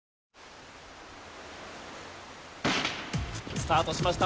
スタートしました。